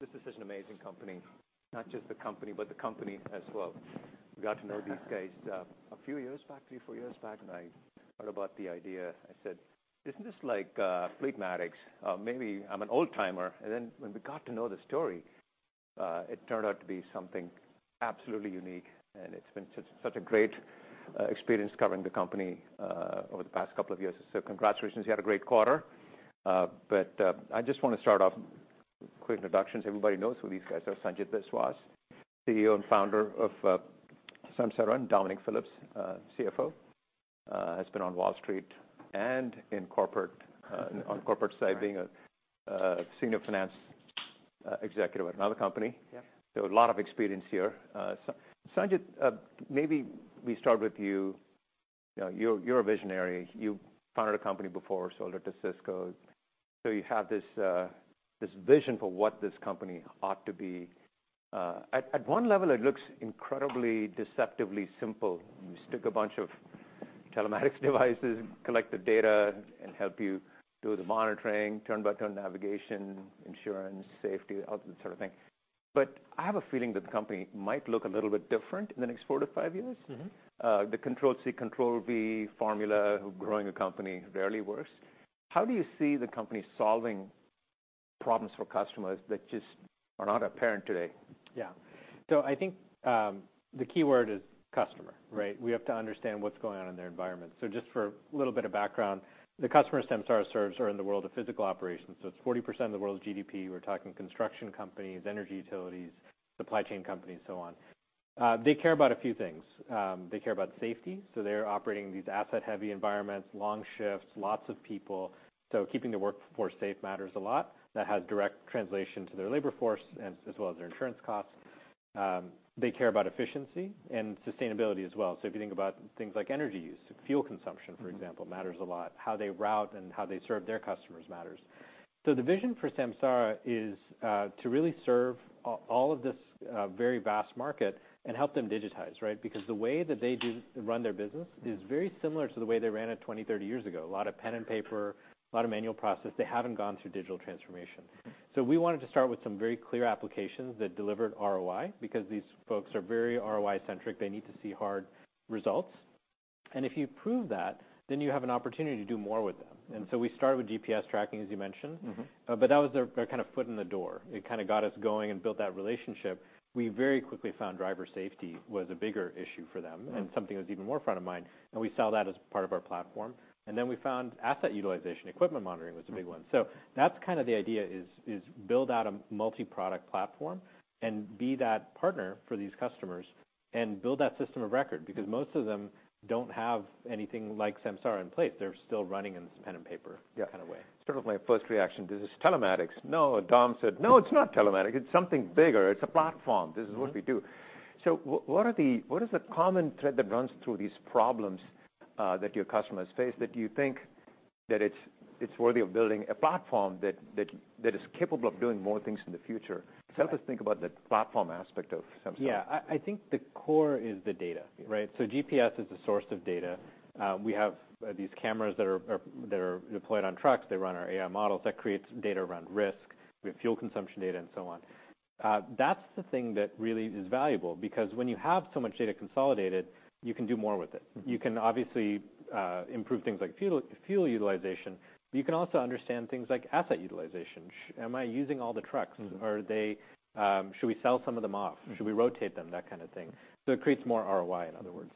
This is such an amazing company. Not just the company, but the company as well. I got to know these guys a few years back, three, four years back, and I heard about the idea. I said, "Isn't this like Fleetmatics? Maybe I'm an old-timer." And then when we got to know the story, it turned out to be something absolutely unique, and it's been such, such a great experience covering the company over the past couple of years. So congratulations, you had a great quarter. But I just wanna start off, quick introductions. Everybody knows who these guys are. Sanjit Biswas, CEO and founder of Samsara, and Dominic Phillips, CFO, has been on Wall Street and in corporate, on corporate side, being a senior finance executive at another company. Yep. So a lot of experience here. Sanjit, maybe we start with you. You're, you're a visionary. You founded a company before, sold it to Cisco. So you have this, this vision for what this company ought to be. At, at one level, it looks incredibly, deceptively simple. You stick a bunch of telematics devices, collect the data, and help you do the monitoring, turn-by-turn navigation, insurance, safety, all that sort of thing. But I have a feeling that the company might look a little bit different in the next four to five years. The Ctrl+C, Ctrl+V formula of growing a company rarely works. How do you see the company solving problems for customers that just are not apparent today? Yeah. So I think, the key word is customer, right? We have to understand what's going on in their environment. So just for a little bit of background, the customers Samsara serves are in the world of physical operations, so it's 40% of the world's GDP. We're talking construction companies, energy utilities, supply chain companies, so on. They care about a few things. They care about safety, so they're operating these asset-heavy environments, long shifts, lots of people, so keeping the workforce safe matters a lot. That has direct translation to their labor force, and as well as their insurance costs. They care about efficiency and sustainability as well. So if you think about things like energy use, fuel consumption, for example, matters a lot. How they route and how they serve their customers matters. So the vision for Samsara is to really serve all of this very vast market and help them digitize, right? Because the way that they do run their business is very similar to the way they ran it 20, 30 years ago. A lot of pen and paper, a lot of manual process. They haven't gone through digital transformation. So we wanted to start with some very clear applications that delivered ROI, because these folks are very ROI-centric. They need to see hard results. And if you prove that, then you have an opportunity to do more with them. And so we started with GPS tracking, as you mentioned. But that was our kind of foot in the door. It kinda got us going and built that relationship. We very quickly found driver safety was a bigger issue for them. And something that was even more front of mind, and we saw that as part of our platform. And then we found asset utilization, equipment monitoring was a big one. So that's kind of the idea, is, is build out a multi-product platform and be that partner for these customers, and build that system of record, because most of them don't have anything like Samsara in place. They're still running in this pen and paper- Yeah kind of way. Sort of my first reaction, this is telematics. No, Dom said, "No, it's not telematics. It's something bigger. It's a platform. This is what we do. So what is the common thread that runs through these problems that your customers face, that you think that it's worthy of building a platform that is capable of doing more things in the future? Right. Help us think about the platform aspect of Samsara. Yeah. I think the core is the data, right? So GPS is the source of data. We have these cameras that are deployed on trucks. They run our AI models. That creates data around risk. We have fuel consumption data and so on. That's the thing that really is valuable, because when you have so much data consolidated, you can do more with it. You can obviously improve things like fuel, fuel utilization, but you can also understand things like asset utilization. Am I using all the trucks? Are they? Should we sell some of them off? Should we rotate them? That kind of thing. So it creates more ROI, in other words.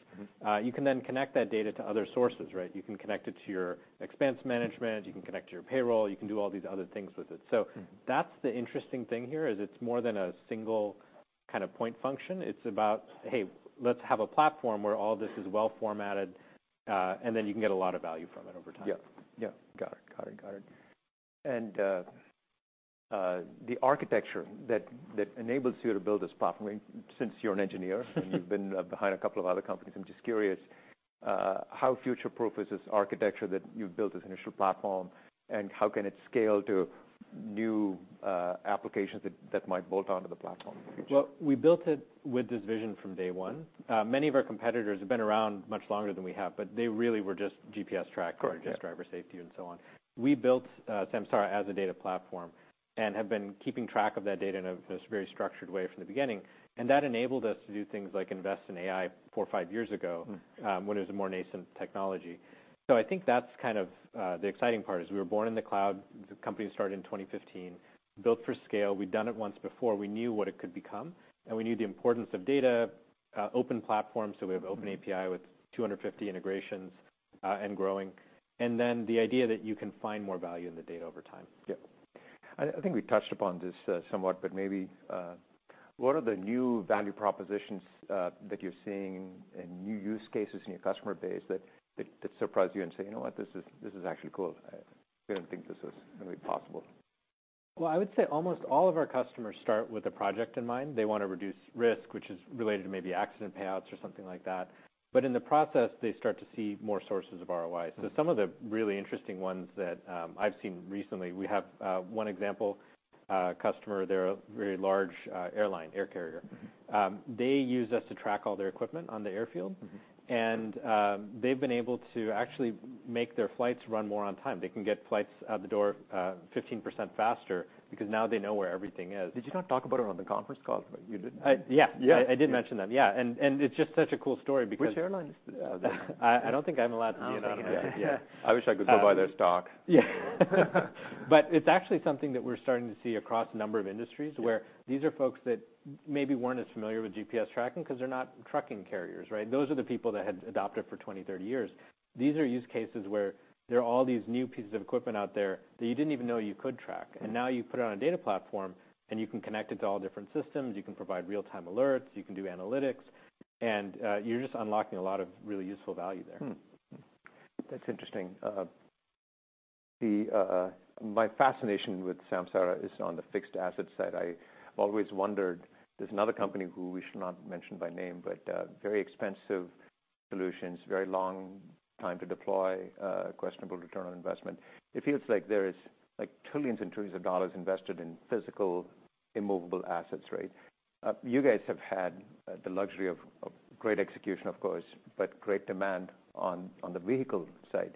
You can then connect that data to other sources, right? You can connect it to your expense management. You can connect it to your payroll. You can do all these other things with it. That's the interesting thing here, is it's more than a single kind of point function. It's about, hey, let's have a platform where all this is well-formatted, and then you can get a lot of value from it over time. Yeah. Yeah, got it. Got it, got it. And, the architecture that enables you to build this platform, since you're an engineer and you've been behind a couple of other companies, I'm just curious, how future-proof is this architecture that you've built as initial platform, and how can it scale to new applications that might bolt onto the platform in the future? Well, we built it with this vision from day one. Many of our competitors have been around much longer than we have, but they really were just GPS trackers- Correct, yeah... just driver safety and so on. We built Samsara as a data platform and have been keeping track of that data in a very structured way from the beginning, and that enabled us to do things like invest in AI four, five years ago when it was a more nascent technology. So I think that's kind of, the exciting part, is we were born in the cloud. The company started in 2015, built for scale. We'd done it once before. We knew what it could become, and we knew the importance of data, open platforms so we have open API with 250 integrations, and growing. And then the idea that you can find more value in the data over time. Yep. I think we touched upon this somewhat, but maybe what are the new value propositions that you're seeing and new use cases in your customer base that surprise you and say, "You know what? This is actually cool. We didn't think this was gonna be possible? Well, I would say almost all of our customers start with a project in mind. They want to reduce risk, which is related to maybe accident payouts or something like that. But in the process, they start to see more sources of ROI. So some of the really interesting ones that I've seen recently, we have one example, a customer, they're a very large airline, air carrier. They use us to track all their equipment on the airfield. They've been able to actually make their flights run more on time. They can get flights out the door 15% faster because now they know where everything is. Did you not talk about it on the conference call? You did. Uh, yeah. Yeah. I did mention them, yeah, and it's just such a cool story because- Which airline is this? I don't think I'm allowed to be on it. Yeah. I wish I could go buy their stock. Yeah. But it's actually something that we're starting to see across a number of industries- Yeah... where these are folks that maybe weren't as familiar with GPS tracking 'cause they're not trucking carriers, right? Those are the people that had adopted for 20, 30 years. These are use cases where there are all these new pieces of equipment out there that you didn't even know you could track, and now you put it on a data platform, and you can connect it to all different systems. You can provide real-time alerts, you can do analytics, and you're just unlocking a lot of really useful value there. That's interesting. My fascination with Samsara is on the fixed asset side. I've always wondered, there's another company who we should not mention by name, but very expensive solutions, very long time to deploy, questionable return on investment. It feels like there is, like, trillions and trillions of dollars invested in physical, immovable assets, right? You guys have had the luxury of great execution, of course, but great demand on the vehicle side.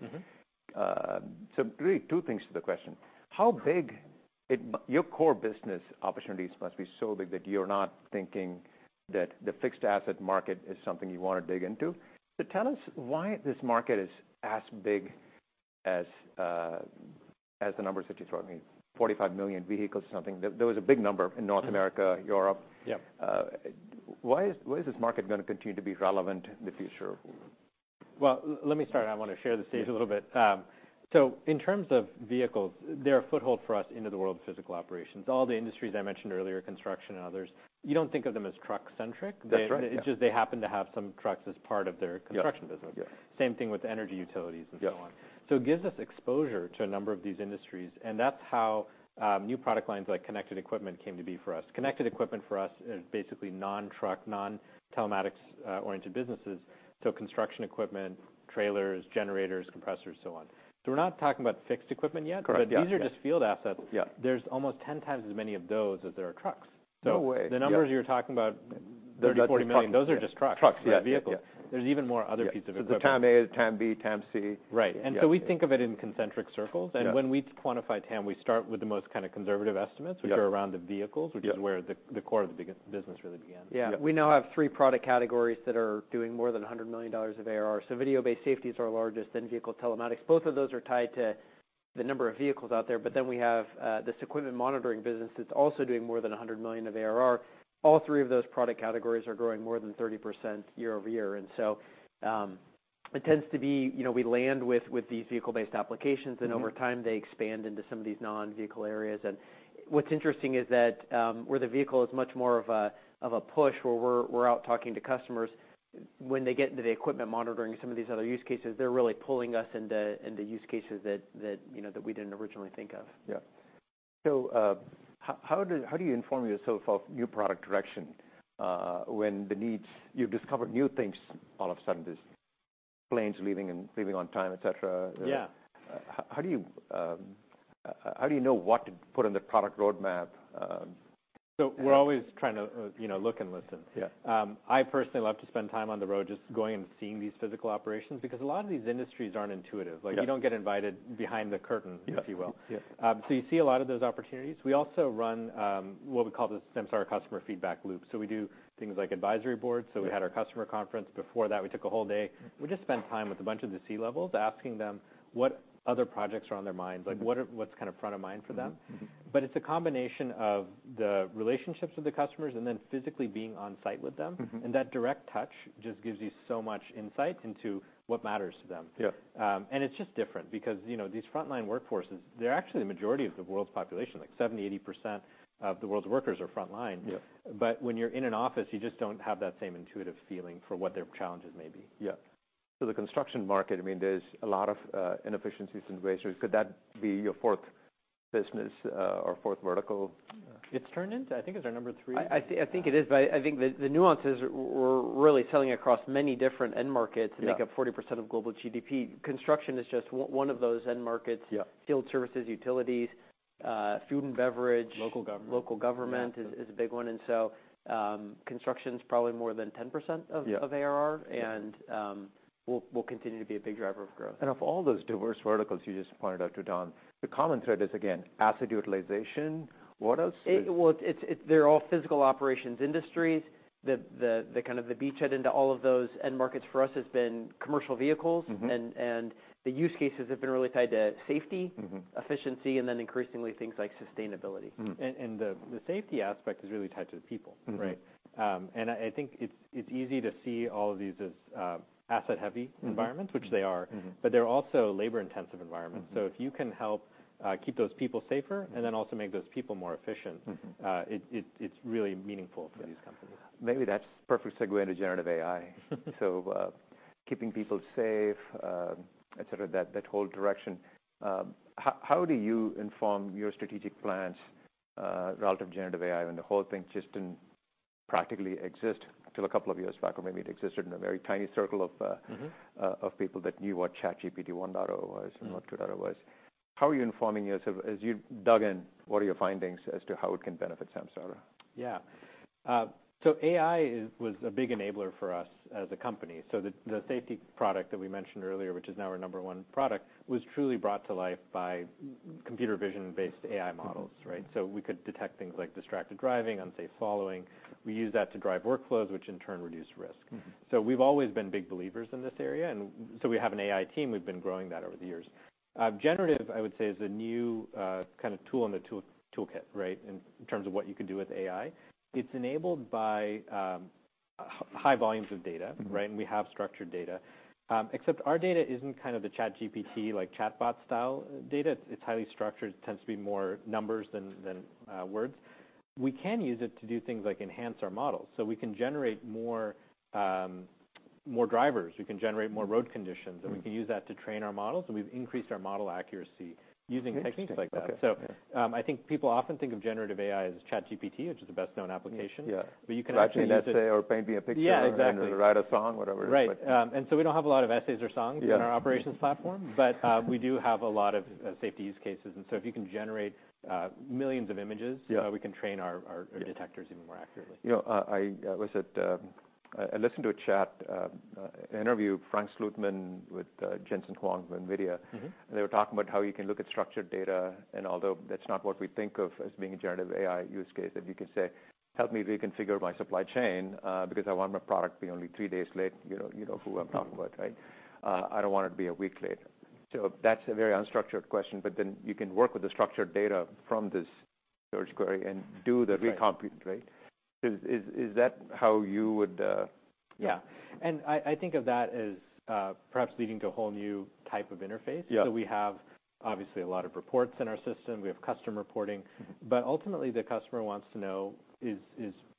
So really, two things to the question: How big your core business opportunities must be so big that you're not thinking that the fixed asset market is something you want to dig into. But tell us why this market is as big as, as the numbers that you throw at me, 45 million vehicles or something. That was a big number in North America, Europe. Yep. Why is, why is this market gonna continue to be relevant in the future? Well, let me start. I want to share the stage a little bit. Yeah. In terms of vehicles, they're a foothold for us into the world of physical operations. All the industries I mentioned earlier, construction and others, you don't think of them as truck-centric. That's right, yeah. It's just they happen to have some trucks as part of their- Yeah... construction business. Yeah. Same thing with energy utilities and so on. Yeah. So it gives us exposure to a number of these industries, and that's how new product lines like Connected Equipment came to be for us. Connected Equipment for us is basically non-truck, non-telematics oriented businesses, so construction equipment, trailers, generators, compressors, so on. So we're not talking about fixed equipment yet. Correct, yeah. But these are just field assets. Yeah. There's almost 10 times as many of those as there are trucks. So- No way!... The numbers you're talking about, 30 million, 40 million, those are just trucks. Trucks, yeah, yeah. Vehicles. There's even more other pieces of equipment. TAM A, TAM B, TAM C. Right. Yeah. And so we think of it in concentric circles. Yeah. When we quantify TAM, we start with the most kind of conservative estimates. Yeah... which are around the vehicles- Yeah... which is where the core of the business really began. Yeah. Yeah. We now have three product categories that are doing more than $100 million of ARR. So video-based safety is our largest, then Vehicle Telematics. Both of those are tied to the number of vehicles out there, but then we have this equipment monitoring business that's also doing more than $100 million of ARR. All three of those product categories are growing more than 30% year-over-year, and so it tends to be... You know, we land with these vehicle-based applications and over time, they expand into some of these non-vehicle areas. What's interesting is that where the vehicle is much more of a push, where we're out talking to customers, when they get into the equipment monitoring, some of these other use cases, they're really pulling us into use cases that you know that we didn't originally think of. Yeah. So, how do you inform your so-called new product direction, when the needs you've discovered new things all of a sudden, there's planes leaving on time, et cetera? Yeah. How do you know what to put on the product roadmap? So we're always trying to, you know, look and listen. Yeah. I personally love to spend time on the road just going and seeing these physical operations because a lot of these industries aren't intuitive. Yeah. Like, you don't get invited behind the curtain- Yeah... if you will. Yeah. You see a lot of those opportunities. We also run what we call the Samsara customer feedback loop. We do things like advisory boards. Yeah. So we had our customer conference. Before that, we took a whole day. We just spent time with a bunch of the C-levels, asking them what other projects are on their minds, like, what's kind of front of mind for them? But it's a combination of the relationships with the customers and then physically being on site with them. That direct touch just gives you so much insight into what matters to them. Yeah. And it's just different because, you know, these frontline workforces, they're actually the majority of the world's population. Like, 70%-80% of the world's workers are frontline. Yeah. But when you're in an office, you just don't have that same intuitive feeling for what their challenges may be. Yeah. So the construction market, I mean, there's a lot of inefficiencies and waste. Could that be your fourth business, or fourth vertical? It's turning into. I think it's our number three. I think it is, but I think the nuances we're really selling across many different end markets- Yeah... make up 40% of global GDP. Construction is just one of those end markets. Yeah. Field services, utilities, food and beverage- Local government... local government is a big one, and so, construction's probably more than 10% of- Yeah... of ARR, and will continue to be a big driver of growth. Of all those diverse verticals you just pointed out to, Don, the common thread is, again, asset utilization. What else? Well, it's, they're all physical operations industries. The kind of beachhead into all of those end markets for us has been commercial vehicles. The use cases have been really tied to safety efficiency, and then increasingly, things like sustainability. The safety aspect is really tied to the people, right? And I think it's easy to see all of these as asset-heavy environments which they are. But they're also labor-intensive environments. If you can help keep those people safer. And then also make those people more efficient it's really meaningful for these companies. Yeah. Maybe that's perfect segue into generative AI. So, keeping people safe, et cetera, that whole direction. How do you inform your strategic plans relative generative AI when the whole thing just didn't practically exist till a couple of years back? Or maybe it existed in a very tiny circle of, of people that knew what ChatGPT 1.0 was. What 2.0 was. How are you informing yourself as you've dug in? What are your findings as to how it can benefit Samsara? Yeah. So AI is, was a big enabler for us as a company. So the safety product that we mentioned earlier, which is now our number one product, was truly brought to life by computer vision-based AI models, right? We could detect things like distracted driving, unsafe following. We use that to drive workflows, which in turn, reduce risk. So we've always been big believers in this area, and so we have an AI team. We've been growing that over the years. Generative, I would say, is a new kind of tool in the toolkit, right, in terms of what you can do with AI. It's enabled by high volumes of data right? And we have structured data. Except our data isn't kind of the ChatGPT, like, chatbot-style data. It's highly structured, tends to be more numbers than words. We can use it to do things like enhance our models, so we can generate more drivers, we can generate more road conditions and we can use that to train our models, and we've increased our model accuracy using techniques like that. Okay. So, I think people often think of generative AI as ChatGPT, which is the best-known application. Yeah, yeah. But you can actually use it- Write me an essay or paint me a picture- Yeah, exactly... or write a song, whatever. Right. And so we don't have a lot of essays or songs- Yeah - in our operations platform, but we do have a lot of safety use cases. And so if you can generate millions of images- Yeah we can train our Yeah - detectors even more accurately. You know, I listened to a chat, interview, Frank Slootman with Jensen Huang from NVIDIA. They were talking about how you can look at structured data, and although that's not what we think of as being a generative AI use case, if you can say, "Help me reconfigure my supply chain, because I want my product to be only three days late," you know, you know who I'm talking about, right? I don't want it to be a week late." So that's a very unstructured question, but then you can work with the structured data from this search query and do the recompute, right? Right. Is that how you would? Yeah. I, I think of that as, perhaps leading to a whole new type of interface. Yeah. We have, obviously, a lot of reports in our system. We have custom reporting. But ultimately, the customer wants to know is,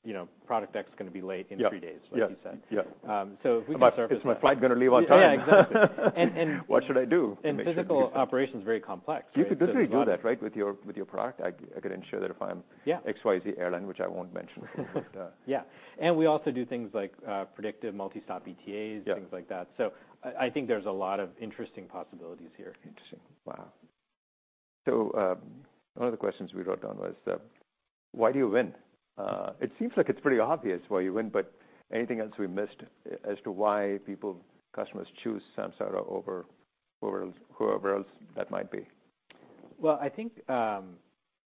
you know, product X going to be late in three days? Yeah, yeah like you said. Yeah. So we can- Is my flight going to leave on time? Yeah, exactly. And What should I do? Physical operation's very complex, right? You can clearly do that, right, with your, with your product. I, I could ensure that if I'm- Yeah XYZ airline, which I won't mention. Yeah. And we also do things like, predictive multi-stop ETAs- Yeah Things like that. So I, I think there's a lot of interesting possibilities here. Interesting. Wow. So, one of the questions we wrote down was: why do you win? It seems like it's pretty obvious why you win, but anything else we missed as to why people, customers choose Samsara over whoever else that might be? Well, I think,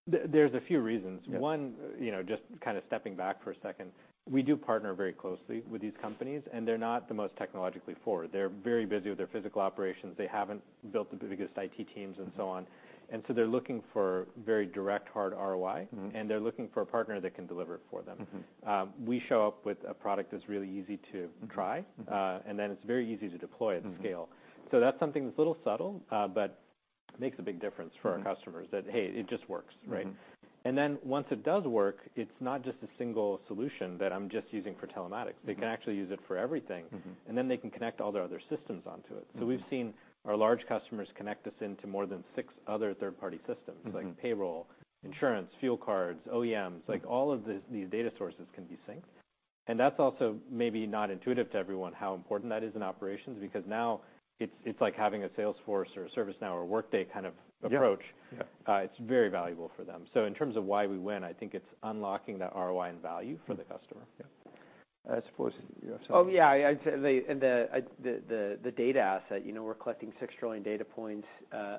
there's a few reasons. Yeah. One, you know, just kind of stepping back for a second, we do partner very closely with these companies, and they're not the most technologically forward. They're very busy with their physical operations. They haven't built the biggest IT teams and so on. So they're looking for very direct, hard ROI. They're looking for a partner that can deliver it for them. We show up with a product that's really easy to try and then it's very easy to deploy and scale. That's something that's a little subtle, but makes a big difference for our customers that, hey, it just works, right? Once it does work, it's not just a single solution that I'm just using for telematics. They can actually use it for everything. Then they can connect all their other systems onto it. We've seen our large customers connect us into more than 6 other third-party systems like payroll, insurance, fuel cards, OEMs. Like, all of these, these data sources can be synced. That's also maybe not intuitive to everyone, how important that is in operations, because now it's, it's like having a Salesforce or a ServiceNow or Workday kind of approach. Yeah, yeah. It's very valuable for them. In terms of why we win, I think it's unlocking the ROI and value for the customer. Yeah. I suppose, yeah, sorry. Oh, yeah, I'd say the data asset, you know, we're collecting 6 trillion data points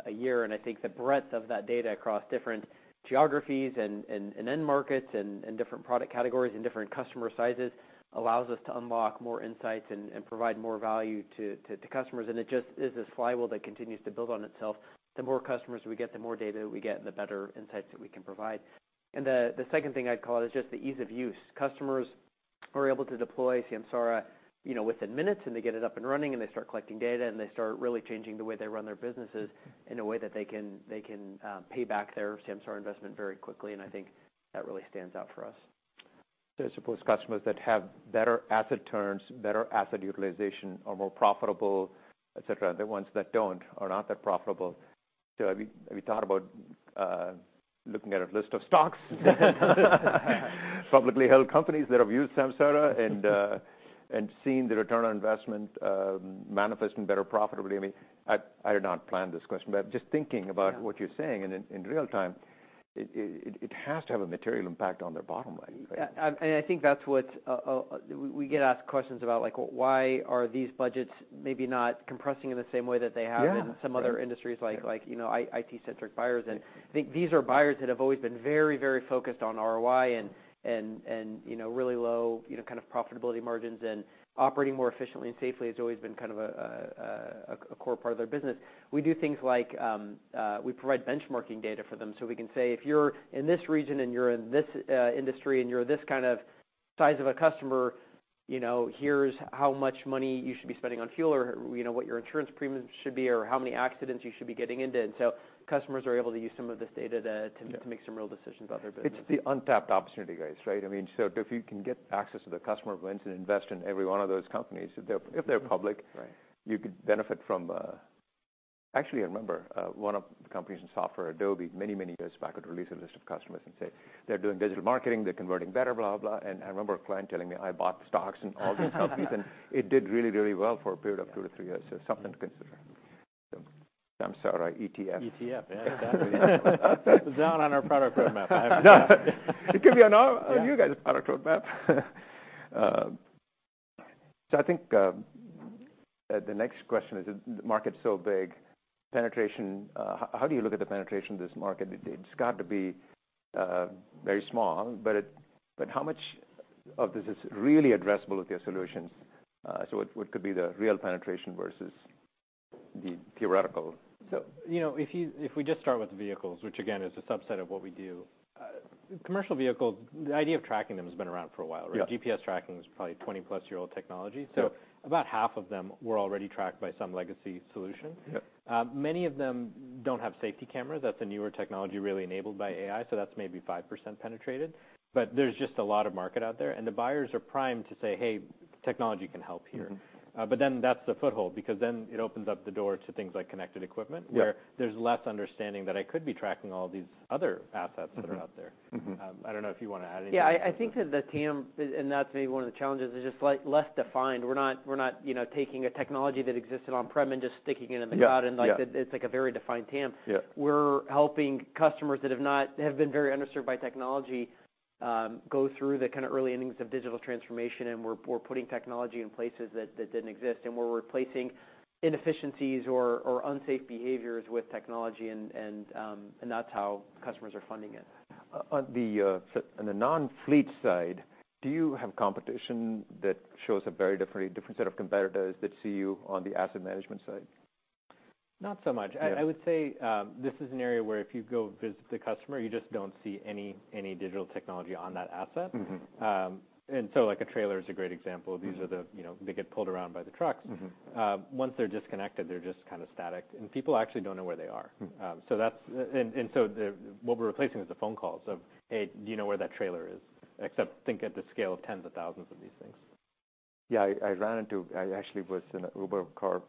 a year, and I think the breadth of that data across different geographies and end markets and different product categories and different customer sizes allows us to unlock more insights and provide more value to customers. And it just is this flywheel that continues to build on itself. The more customers we get, the more data we get, and the better insights that we can provide. And the second thing I'd call it is just the ease of use. Customers are able to deploy Samsara, you know, within minutes, and they get it up and running, and they start collecting data, and they start really changing the way they run their businesses in a way that they can pay back their Samsara investment very quickly, and I think that really stands out for us. So I suppose customers that have better asset turns, better asset utilization, are more profitable, et cetera. The ones that don't are not that profitable. So have you thought about looking at a list of stocks? Publicly held companies that have used Samsara and seen the return on investment manifest in better profitability? I mean, I did not plan this question, but just thinking about- Yeah What you're saying in real time, it has to have a material impact on their bottom line. Yeah, and I think that's what's... We get asked questions about, like, well, why are these budgets maybe not compressing in the same way that they have- Yeah in some other industries, like, you know, IT-centric buyers. Right. And I think these are buyers that have always been very, very focused on ROI and, you know, really low, you know, kind of profitability margins, and operating more efficiently and safely has always been kind of a core part of their business. We do things like, we provide benchmarking data for them, so we can say, "If you're in this region, and you're in this industry, and you're this kind of size of a customer, you know, here's how much money you should be spending on fuel or, you know, what your insurance premiums should be or how many accidents you should be getting into." And so customers are able to use some of this data to, Yeah - make some real decisions about their business. It's the untapped opportunity, guys, right? I mean, so if you can get access to the customer who went and invest in every one of those companies, if they're public- Right... you could benefit from, Actually, I remember, one of the companies in software, Adobe, many, many years back, would release a list of customers and say they're doing digital marketing, they're converting better, blah, blah, blah. And I remember a client telling me, "I bought the stocks and all these companies," and it did really, really well for a period of two-three years. So something to consider. Samsara ETF. ETF, yeah, exactly. Down on our product roadmap. It could be on our, on you guys' product roadmap. So I think the next question is, the market's so big, penetration, how do you look at the penetration of this market? It's got to be very small, but how much of this is really addressable with your solutions? So what could be the real penetration versus the theoretical? So, you know, if we just start with the vehicles, which again, is a subset of what we do, commercial vehicles, the idea of tracking them has been around for a while, right? Yeah. GPS tracking is probably a 20+ year-old technology. Yeah. About half of them were already tracked by some legacy solution. Yeah. Many of them don't have safety cameras. That's a newer technology really enabled by AI, so that's maybe 5% penetrated. But there's just a lot of market out there, and the buyers are primed to say, "Hey, technology can help here. But then that's the foothold, because then it opens up the door to things like Connected Equipment- Yeah... where there's less understanding that I could be tracking all these other assets that are out there. I don't know if you want to add anything. Yeah, I think that the TAM, and that's maybe one of the challenges, is just less defined. We're not, you know, taking a technology that existed on-prem and just sticking it in the cloud- Yeah, yeah... and like, it's like a very defined TAM. Yeah. We're helping customers that have been very underserved by technology, go through the kind of early innings of digital transformation, and we're putting technology in places that didn't exist. And we're replacing inefficiencies or unsafe behaviors with technology, and that's how customers are funding it. On the non-fleet side, do you have competition that shows a very different set of competitors that see you on the asset management side? Not so much. Yeah. I would say, this is an area where if you go visit the customer, you just don't see any digital technology on that asset. And so, like, a trailer is a great example. These are the, you know, they get pulled around by the trucks. Once they're disconnected, they're just kind of static, and people actually don't know where they are. So that's... and so what we're replacing is the phone calls of, "Hey, do you know where that trailer is?" Except, think at the scale of tens of thousands of these things. Yeah, I actually was in an Uber car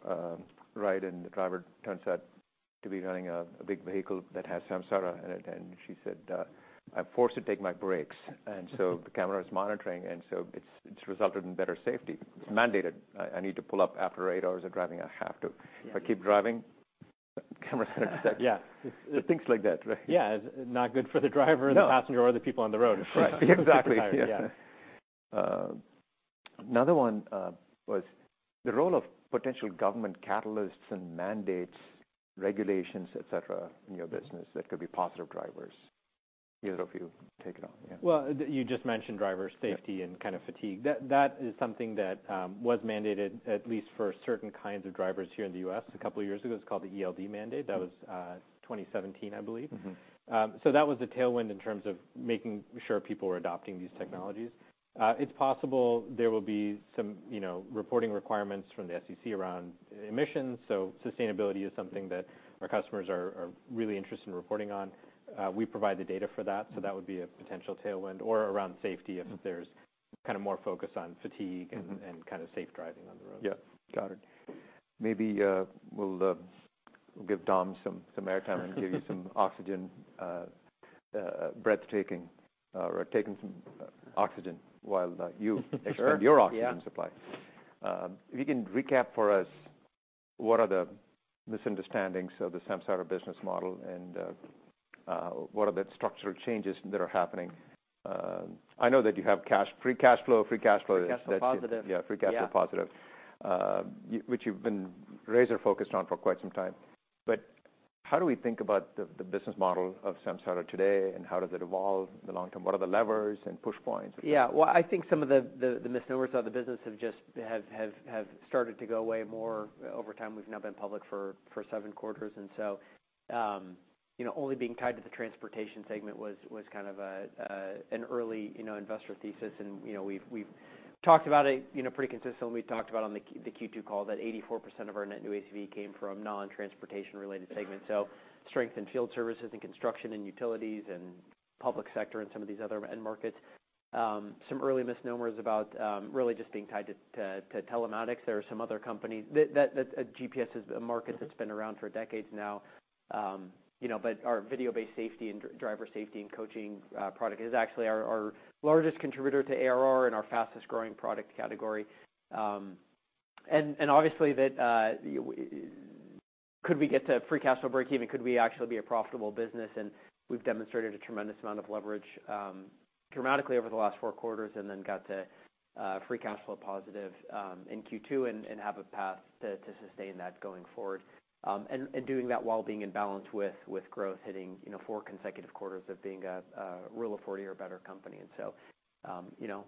ride, and the driver turns out to be running a big vehicle that has Samsara in it, and she said, "I'm forced to take my breaks. And so the camera is monitoring, and so it resulted in better safety. It's mandated. I need to pull up after eight hours of driving. I have to. Yeah. If I keep driving, the camera says... Yeah. So things like that, right? Yeah. Not good for the driver- No... the passenger, or the people on the road. Right. Exactly. Yeah. Another one was the role of potential government catalysts and mandates, regulations, et cetera, in your business that could be positive drivers. Either of you, take it on, yeah. Well, you just mentioned driver safety- Yeah... and kind of fatigue. That, that is something that, was mandated, at least for certain kinds of drivers here in the U.S. a couple of years ago. It's called the ELD mandate. That was 2017, I believe. That was the tailwind in terms of making sure people were adopting these technologies. It's possible there will be some, you know, reporting requirements from the SEC around emissions, so sustainability is something that our customers are really interested in reporting on. We provide the data for that, so that would be a potential tailwind, or around safety, if there's kind of more focus on fatigue and kind of safe driving on the road. Yeah, got it. Maybe we'll give Dom some airtime and give you some oxygen, breathtaking, or taking some oxygen while you- Sure... extend your oxygen supply. Yeah. If you can recap for us, what are the misunderstandings of the Samsara business model, and what are the structural changes that are happening? I know that you have cash, free cash flow is- Free cash flow positive. Yeah, free cash flow positive- Yeah... which you've been laser-focused on for quite some time. But how do we think about the business model of Samsara today, and how does it evolve in the long term? What are the levers and push points? Yeah. Well, I think some of the misnomers of the business have just started to go away more over time. We've now been public for seven quarters. And so, you know, only being tied to the transportation segment was kind of an early investor thesis. And, you know, we've talked about it, you know, pretty consistently. We talked about on the Q2 call that 84% of our net new ACV came from non-transportation related segments. So strength in field services and construction and utilities and public sector and some of these other end markets. Some early misnomers about really just being tied to telematics. There are some other companies. That GPS is a market that's been around for decades now. You know, but our video-based safety and driver safety and coaching product is actually our largest contributor to ARR and our fastest-growing product category. And obviously, could we get to free cash flow breakeven? Could we actually be a profitable business? And we've demonstrated a tremendous amount of leverage dramatically over the last four quarters, and then got to free cash flow positive in Q2, and have a path to sustain that going forward. And doing that while being in balance with growth, hitting, you know, four consecutive quarters of being a Rule of 40 or better company. And so, you know,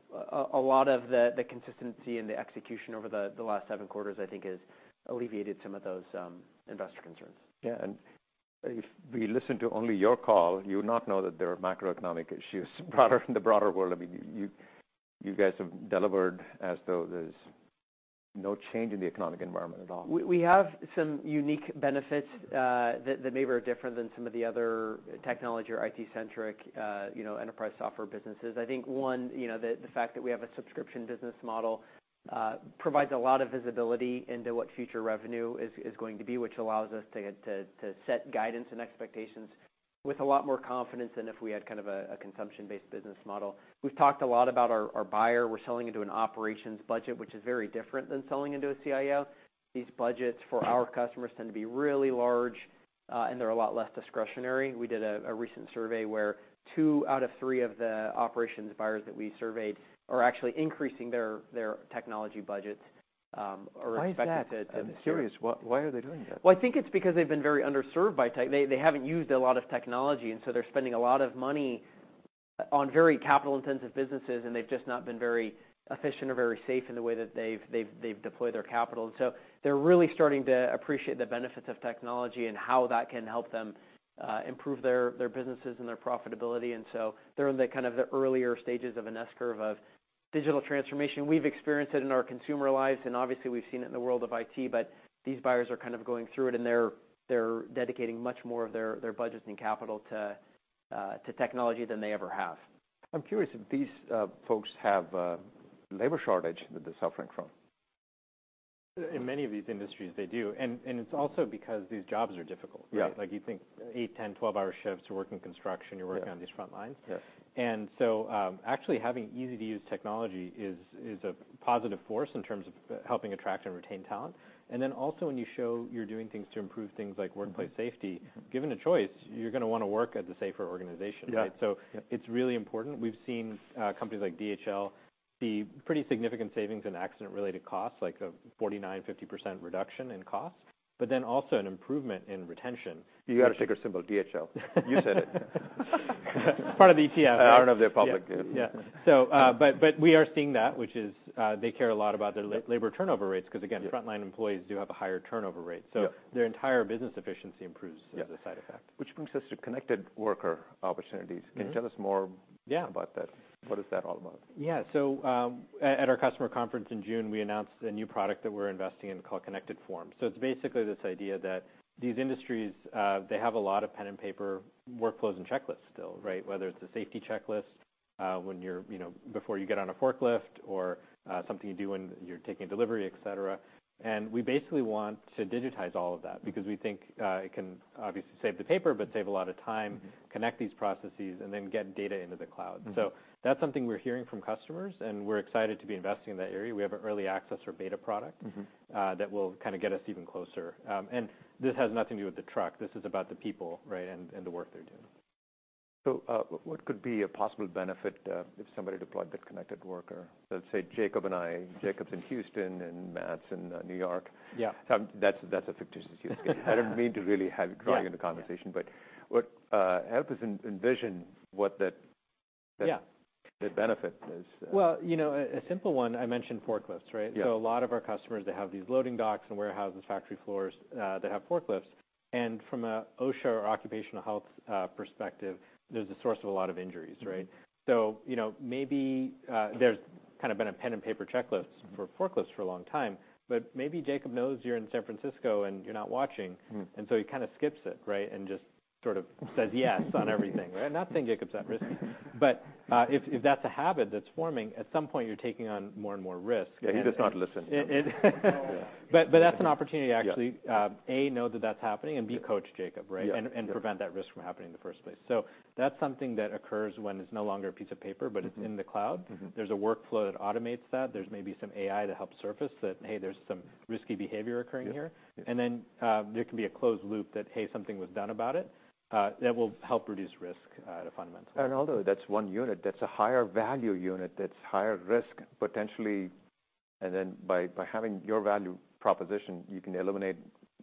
a lot of the consistency and the execution over the last seven quarters, I think, has alleviated some of those investor concerns. Yeah, and if we listen to only your call, you would not know that there are macroeconomic issues broader, in the broader world. I mean, you, you guys have delivered as though there's no change in the economic environment at all. We have some unique benefits that maybe are different than some of the other technology or IT-centric, you know, enterprise software businesses. I think one, you know, the fact that we have a subscription business model provides a lot of visibility into what future revenue is going to be, which allows us to set guidance and expectations with a lot more confidence than if we had kind of a consumption-based business model. We've talked a lot about our buyer. We're selling into an operations budget, which is very different than selling into a CIO. These budgets for our customers tend to be really large, and they're a lot less discretionary. We did a recent survey where two out of three of the operations buyers that we surveyed are actually increasing their technology budgets, or expected to- Why is that? I'm curious, why, why are they doing that? Well, I think it's because they've been very underserved by tech. They haven't used a lot of technology, and so they're spending a lot of money on very capital-intensive businesses, and they've just not been very efficient or very safe in the way that they've deployed their capital. And so they're really starting to appreciate the benefits of technology and how that can help them improve their businesses and their profitability. And so they're in the kind of earlier stages of an S-curve of digital transformation. We've experienced it in our consumer lives, and obviously, we've seen it in the world of IT, but these buyers are kind of going through it, and they're dedicating much more of their budgets and capital to technology than they ever have. I'm curious if these folks have a labor shortage that they're suffering from. In many of these industries, they do, and it's also because these jobs are difficult, right? Yeah. Like, you think 8, 10, 12-hour shifts, you're working construction- Yeah... you're working on these front lines. Yes. And so, actually having easy-to-use technology is a positive force in terms of helping attract and retain talent. And then also, when you show you're doing things to improve things like workplace safety, given a choice, you're going to want to work at the safer organization, right? Yeah. It's really important. We've seen companies like DHL see pretty significant savings in accident-related costs, like a 49%-50% reduction in cost, but then also an improvement in retention. You got a ticker symbol, DHL. You said it. Part of the ETF, right? I don't know if they're public. Yeah. So, but we are seeing that, which is, they care a lot about their labor turnover rates, because, again- Yeah... frontline employees do have a higher turnover rate. Yeah. So their entire business efficiency improves- Yeah... as a side effect. Which brings us to connected worker opportunities. Mm-hmm. Can you tell us more- Yeah... about that? What is that all about? Yeah. So, at our customer conference in June, we announced a new product that we're investing in called Connected Forms. So it's basically this idea that these industries, they have a lot of pen and paper workflows and checklists still, right? Whether it's a safety checklist, when you're, you know, before you get on a forklift, or something you do when you're taking a delivery, et cetera. And we basically want to digitize all of that because we think it can obviously save the paper, but save a lot of time connect these processes, and then get data into the cloud. So that's something we're hearing from customers, and we're excited to be investing in that area. We have an early access or beta product that will kind of get us even closer. This has nothing to do with the truck. This is about the people, right, and the work they're doing. So, what could be a possible benefit, if somebody deployed the connected worker? Let's say Jacob and I, Jacob's in Houston, and Matt's in New York. Yeah. That's a fictitious use case. I don't mean to really have you- Yeah... draw you into conversation, but what help us envision what that- Yeah ... the benefit is. Well, you know, a simple one, I mentioned forklifts, right? Yeah. So a lot of our customers, they have these loading docks and warehouses, factory floors, that have forklifts. And from a OSHA or occupational health perspective, there's a source of a lot of injuries, right? So, you know, maybe, there's kind of been a pen and paper checklist for forklifts for a long time, but maybe Jacob knows you're in San Francisco, and you're not watching. And so he kind of skips it, right? And just sort of says yes on everything, right? Not saying Jacob's at risk, but if that's a habit that's forming, at some point, you're taking on more and more risk. Yeah, he does not listen. It- Yeah. But that's an opportunity actually- Yeah... A, know that that's happening, and B, coach Jacob, right? Yeah. And prevent that risk from happening in the first place. So that's something that occurs when it's no longer a piece of paper, but it's in the cloud. There's a workflow that automates that. There's maybe some AI to help surface that, "Hey, there's some risky behavior occurring here. Yeah. And then, there can be a closed loop that, hey, something was done about it, that will help reduce risk, at a fundamental level. Although that's one unit, that's a higher value unit, that's higher risk, potentially, and then by having your value proposition, you can eliminate a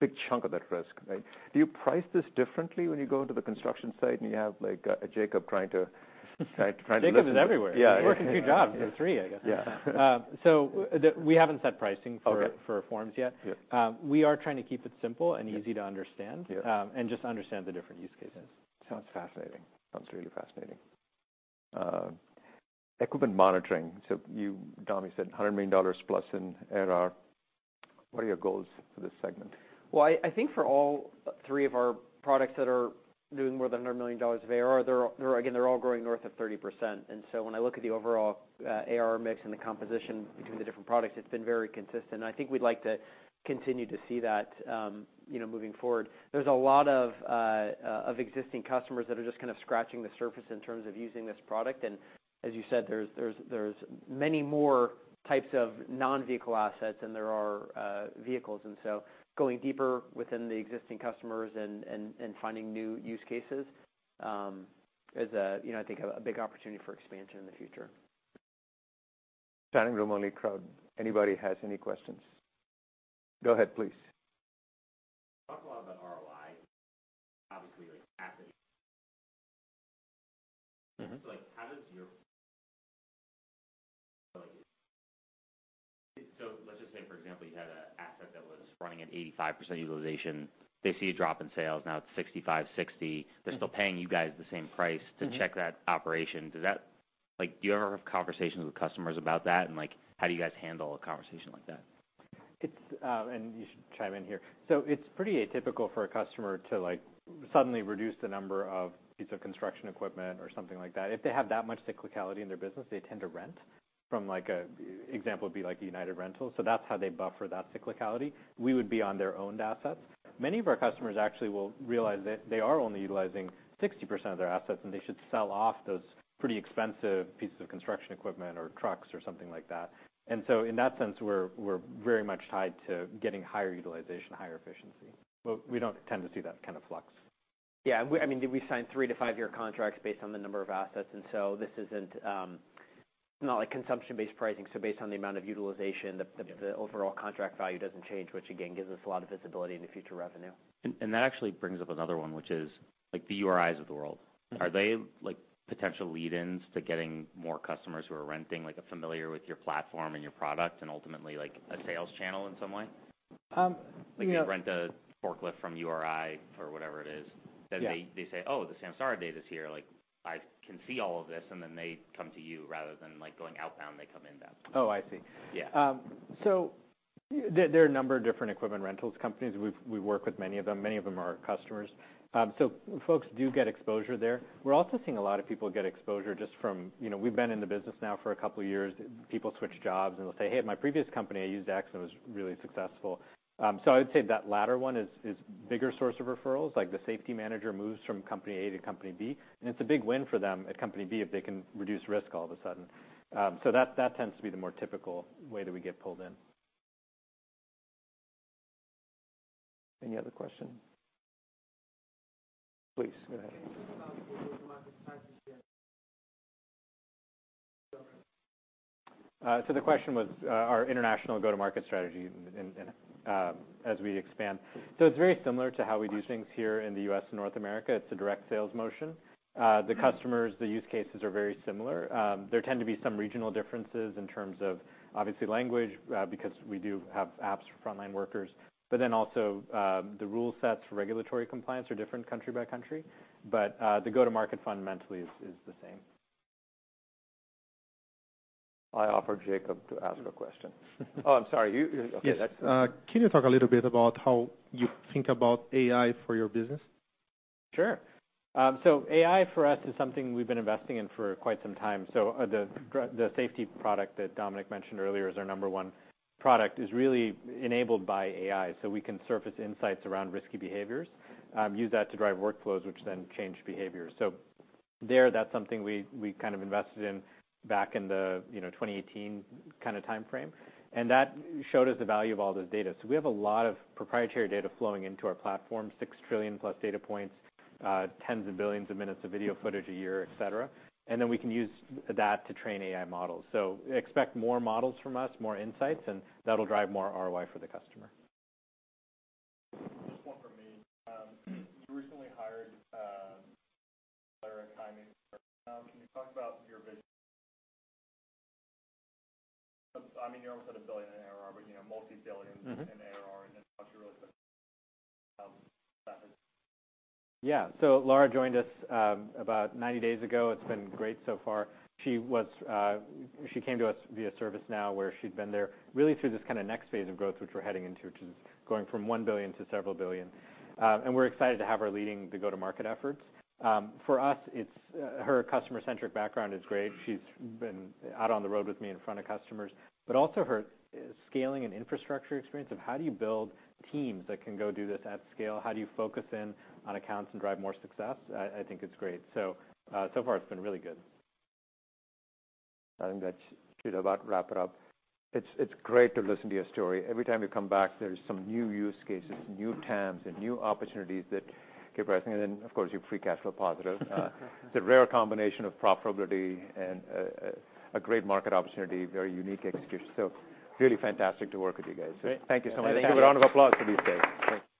big chunk of that risk, right? Do you price this differently when you go to the construction site, and you have, like, a Jacob trying to- Jacob is everywhere. Yeah. He works a few jobs, or three, I guess. Yeah. So we haven't set pricing for- Okay... for forms yet. Yeah. We are trying to keep it simple and easy- Yeah... to understand. Yeah. Just understand the different use cases. Sounds fascinating. Sounds really fascinating. Equipment monitoring. So you, Dom, you said $100 million plus in ARR. What are your goals for this segment? Well, I think for all three of our products that are doing more than $100 million of ARR, they're all, again, they're all growing north of 30%. And so when I look at the overall ARR mix and the composition between the different products, it's been very consistent. I think we'd like to continue to see that, you know, moving forward. There's a lot of existing customers that are just kind of scratching the surface in terms of using this product. And as you said, there's many more types of non-vehicle assets than there are vehicles. And so going deeper within the existing customers and finding new use cases is a, you know, I think, a big opportunity for expansion in the future. Standing room only crowd. Anybody has any questions? Go ahead, please. Talk a lot about ROI, obviously, like asset so, like, how does your... So let's just say, for example, you had an asset that was running at 85% utilization. They see a drop in sales, now it's 65%, 60%. They're still paying you guys the same price to check that operation. Does that, like, do you ever have conversations with customers about that? Like, how do you guys handle a conversation like that? You should chime in here. So it's pretty atypical for a customer to, like, suddenly reduce the number of pieces of construction equipment or something like that. If they have that much cyclicality in their business, they tend to rent from like a, example would be like United Rentals, so that's how they buffer that cyclicality. We would be on their owned assets. Many of our customers actually will realize that they are only utilizing 60% of their assets, and they should sell off those pretty expensive pieces of construction equipment or trucks or something like that. And so in that sense, we're very much tied to getting higher utilization, higher efficiency, but we don't tend to see that kind of flux. Yeah, we—I mean, we sign three-five-year contracts based on the number of assets, and so this isn't not like consumption-based pricing. So based on the amount of utilization, the overall contract value doesn't change, which again, gives us a lot of visibility into future revenue. And that actually brings up another one, which is like the U.R.s of the world. Are they like potential lead-ins to getting more customers who are renting, like are familiar with your platform and your product and ultimately like a sales channel in some way? yeah- Like, you rent a forklift from URI or whatever it is. Yeah. Then they say, "Oh, the Samsara data is here. Like, I can see all of this," and then they come to you. Rather than like going outbound, they come inbound. Oh, I see. Yeah. So there are a number of different equipment rentals companies. We work with many of them. Many of them are our customers. So folks do get exposure there. We're also seeing a lot of people get exposure just from... You know, we've been in the business now for a couple of years. People switch jobs, and they'll say, "Hey, at my previous company, I used X, and it was really successful." So I would say that latter one is bigger source of referrals, like the safety manager moves from company A to company B, and it's a big win for them at company B if they can reduce risk all of a sudden. So that tends to be the more typical way that we get pulled in. Any other questions? Please, go ahead. So the question was, our international go-to-market strategy and as we expand. So it's very similar to how we do things here in the U.S. and North America. It's a direct sales motion. The customers, the use cases are very similar. There tend to be some regional differences in terms of, obviously, language, because we do have apps for frontline workers. But then also, the rule sets for regulatory compliance are different country by country. But, the go-to-market fundamentally is the same. I offered Jacob to ask a question. Oh, I'm sorry. You, you... Okay, that's. Yes. Can you talk a little bit about how you think about AI for your business? Sure. So AI for us is something we've been investing in for quite some time. So, the safety product that Dominic mentioned earlier is our number one product, is really enabled by AI. So we can surface insights around risky behaviors, use that to drive workflows, which then change behaviors. So there, that's something we kind of invested in back in the, you know, 2018 kinda timeframe, and that showed us the value of all those data. So we have a lot of proprietary data flowing into our platform, 6 trillion-plus data points, tens of billions of minutes of video footage a year, et cetera. And then we can use that to train AI models. Expect more models from us, more insights, and that'll drive more ROI for the customer. Just one from me. You recently hired Lara Caimi. Can you talk about your vision? I mean, you're almost at $1 billion in ARR, but, you know, multi-billion in ARR, and then how you really put, that is. Yeah. So Lara joined us about 90 days ago. It's been great so far. She was, she came to us via ServiceNow, where she'd been there, really through this kinda next phase of growth, which we're heading into, which is going from $1 billion to several billion. And we're excited to have her leading the go-to-market efforts. For us, it's her customer-centric background is great. She's been out on the road with me in front of customers. But also her scaling and infrastructure experience of how do you build teams that can go do this at scale? How do you focus in on accounts and drive more success? I, I think it's great. So, so far it's been really good. I think that should about wrap it up. It's, it's great to listen to your story. Every time you come back, there's some new use cases, new TAMs, and new opportunities that keep rising. And then, of course, you're free cash flow positive. It's a rare combination of profitability and a great market opportunity, very unique execution. So really fantastic to work with you guys. Great. Thank you so much. Thank you. A round of applause for these guys. Thanks.